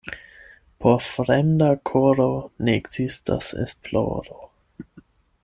Por fremda koro ne ekzistas esploro.